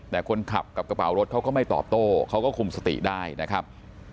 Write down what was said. แต่คนขับกับกระเป๋ารถเขาก็ไม่ตอบโต้เขาก็คุมสติได้นะครับ